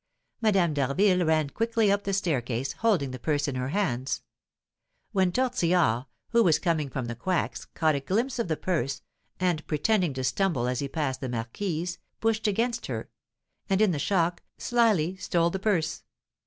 Madame d'Harville ran quickly up the staircase holding the purse in her hands. When Tortillard, who was coming from the quack's, caught a glimpse of the purse, and, pretending to stumble as he passed the marquise, pushed against her, and, in the shock, slily stole the purse.